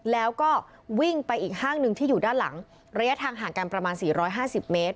แล้วก็วิ่งไปอีกห้างหนึ่งที่อยู่ด้านหลังระยะทางห่างกันประมาณ๔๕๐เมตร